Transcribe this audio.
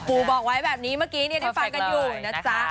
ครูบอกไว้แบบนี้เมื่อกี้ได้ฟังกันอยู่นะจ๊ะ